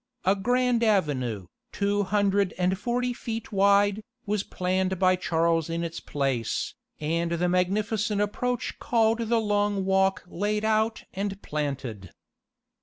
A grand avenue, two hundred and forty feet wide, was planned by Charles in its place, and the magnificent approach called the Long Walk laid out and planted.